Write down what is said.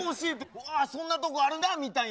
「わそんなとこあるんだ」みたいな。